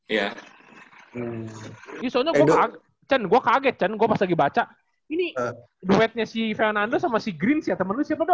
iya soalnya gue kaget chen gue kaget chen gue pas lagi baca ini duetnya si fernando sama si greens ya temen lu siapa do